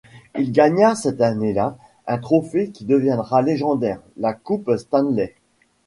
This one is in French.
Il gagna cette année-là un trophée qui deviendra légendaire, la Coupe Stanley.